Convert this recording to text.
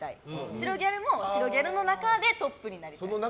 白ギャルも白ギャルの中でトップになりたい。